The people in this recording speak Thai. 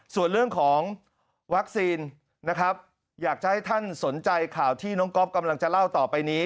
ส่วนเรื่องของวัคซีนนะครับอยากจะให้ท่านสนใจข่าวที่น้องก๊อฟกำลังจะเล่าต่อไปนี้